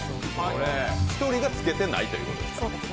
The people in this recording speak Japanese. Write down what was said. １人が着けてないということですね。